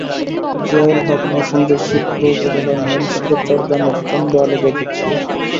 জিয়ারুল হক নরসিংদীর শিবপুর উপজেলার মুন্সীপের চর গ্রামের চান্দোআলী গাজীর ছেলে।